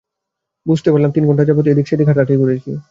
বুঝতে পারলাম যে তিনঘণ্টা যাবৎ এদিক সেদিক হাঁটাহাঁটি করেছি।